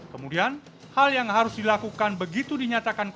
kemudian hal yang harus dilakukan begitu dinyatakan